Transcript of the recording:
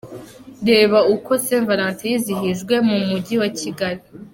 Reba uko Saint Valentin yizihijwe mu Mujyi wa Kigali:.